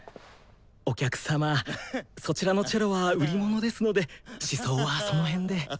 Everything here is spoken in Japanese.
お客様そちらのチェロは売り物ですので試奏はそのへんで。